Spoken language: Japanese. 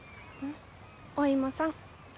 お芋さん。